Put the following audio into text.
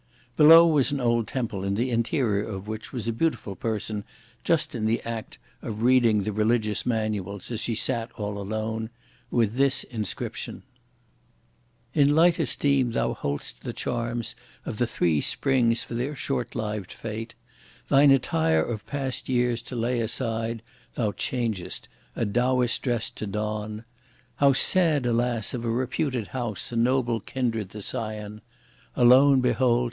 Below, was an old temple, in the interior of which was a beautiful person, just in the act of reading the religious manuals, as she sat all alone; with this inscription: In light esteem thou hold'st the charms of the three springs for their short liv'd fate; Thine attire of past years to lay aside thou chang'st, a Taoist dress to don; How sad, alas! of a reputed house and noble kindred the scion, Alone, behold!